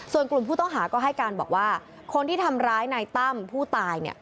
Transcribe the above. ส่วนกลุ่มผู้ต้องหาก็ให้การบอกว่าคนที่ทำร้ายนายตั้มผู้ตาย